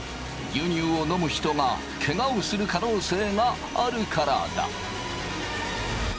牛乳を飲む人がケガをする可能性があるからだ。